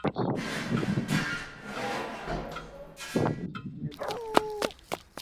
Aghalabu sentensi hizi hutumia viunganishi